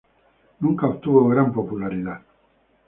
Nunca obtuvo gran popularidad.